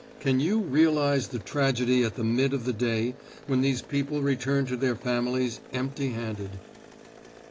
Can you realize the tragedy at the mid of the day when these people return to their families empty handed?